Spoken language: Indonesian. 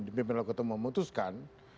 dipimpin oleh ketua umum memutuskan